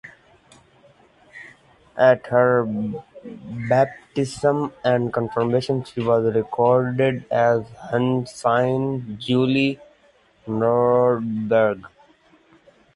At her baptism and confirmation she was recorded as Hansine Julie Norberg.